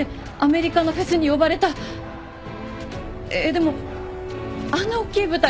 でもあんなおっきい舞台